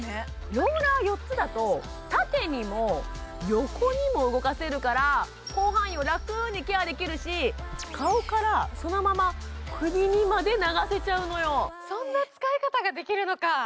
ローラー４つだと縦にも横にも動かせるから広範囲をラクにケアできるし顔からそのまま首にまで流せちゃうのよ